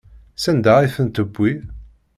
Sanda ay ten-tewwi?